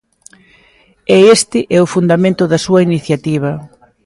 E este é o fundamento da súa iniciativa.